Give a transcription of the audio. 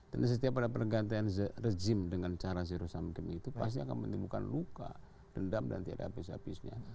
dan setiap ada pergantian regime dengan cara zero sum game itu pasti akan menimbulkan luka dendam dan tiada habis habisnya